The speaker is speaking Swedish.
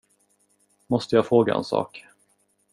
Måste jag fråga en sak.